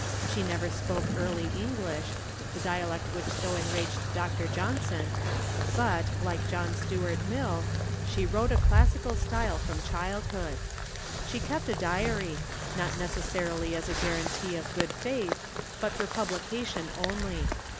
She never spoke Early English the dialect which so enraged Dr. Johnson but, like John Stuart Mill, she wrote a classical style from childhood. She kept a diary, not necessarily as a guarantee of good faith, but for publication only.